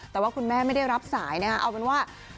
แต่ว่าคุณแม่ไม่ได้รับสายนะฮะเอาเป็นว่า